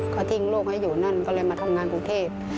เขาทิ้งลูกให้อยู่นั่นก็เลยมาทำงานกรุงเทพ